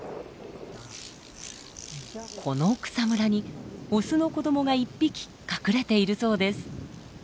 この草むらにオスの子どもが１匹隠れているそうです。